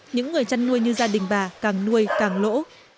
những người chăn nuôi như gia đình bà càng nuôi càng lỗ